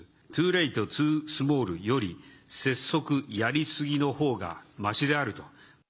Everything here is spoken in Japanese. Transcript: ツゥー・レイト・ツゥー・スモールより拙速、やりすぎのほうがましであると。